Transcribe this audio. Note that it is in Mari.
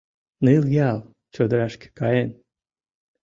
— Ныл ял чодырашке каен.